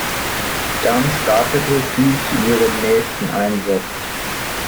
Dann startete sie zu ihrem nächsten Einsatz.